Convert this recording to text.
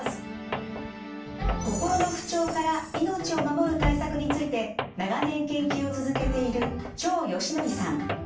心の不調から命を守る対策について長年研究を続けている張賢徳さん。